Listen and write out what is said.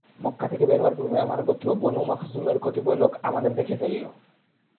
মক্কা থেকে বের হওয়ার পূর্বে আমার গোত্র বনু মাখযূমের কতিপয় লোক আমাদের দেখে ফেলল।